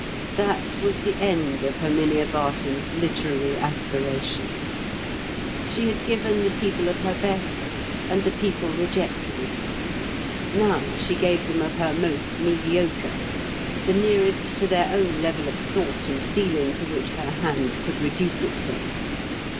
That was the end of Herminia Barton's literary aspirations. She had given the people of her best, and the people rejected it. Now she gave them of her most mediocre; the nearest to their own level of thought and feeling to which her hand could reduce itself.